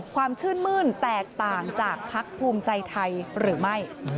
ความชื่นมื้นแตกต่างจากพักภูมิใจไทยหรือไม่